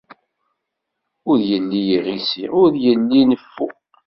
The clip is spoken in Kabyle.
Ur illi yiɣisi, ur illi neffu.